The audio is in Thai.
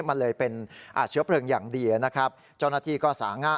มันเลยเป็นเชื้อเพลิงอย่างดีนะครับเจ้าหน้าที่ก็สาง่า